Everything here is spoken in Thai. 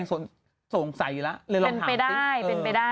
สงสัยอีกแล้วเลยเอามองถามซิแต่จุดที่ออกไปได้เป็นไปได้